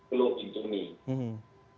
di daerah yang di level ini